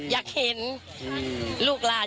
อยากเห็นลูกหลาน